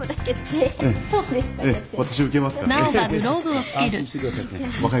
安心してください。